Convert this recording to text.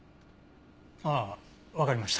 ああわかりました。